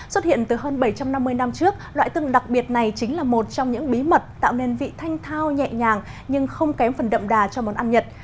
xuất hiện từ hơn bảy trăm năm mươi năm trước loại tương đặc biệt này chính là một trong những bí mật tạo nên vị thanh thao nhẹ nhàng nhưng không kém phần đậm đà cho món ăn nhật